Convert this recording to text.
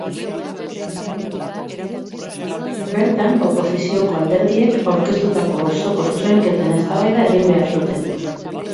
Bertan, oposizioko alderdiek aurkeztutako osoko zuzenketen eztabaida egin behar zuten.